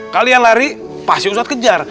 kalian lari pasien ustadz kejar